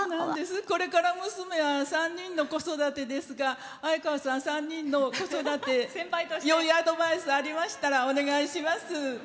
これから娘は３人の子育てですが相川さん、３人の子育てよいアドバイスありましたらお願いします。